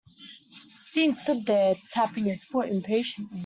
Sean stood there tapping his foot impatiently.